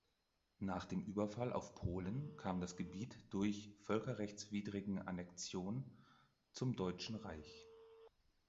Nach dem Überfall auf Polen kam das Gebiet durch völkerrechtswidrigen Annexion zum Deutschen Reich.